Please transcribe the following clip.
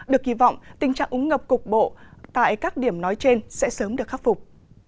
được kỳ vọng tình trạng ống ngập cục bộ tại các điểm nói trên sẽ sớm được khắc phục